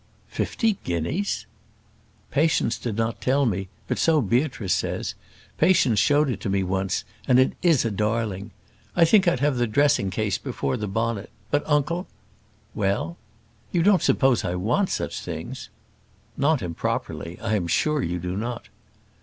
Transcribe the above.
"Fifty guineas!" "Patience did not tell me; but so Beatrice says. Patience showed it to me once, and it is a darling. I think I'd have the dressing case before the bonnet. But, uncle " "Well?" "You don't suppose I want such things?" "Not improperly. I am sure you do not."